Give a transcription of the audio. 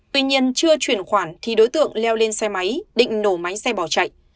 tuy nhiên chưa chuyển khoản thì đối tượng leo lên xe máy định nổ máy xe bỏ chạy